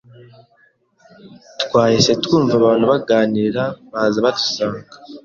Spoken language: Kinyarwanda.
Twahise twumva abantu baganira baza badusanga,